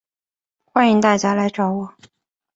欢迎大家来找我